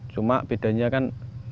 cuma bedanya kan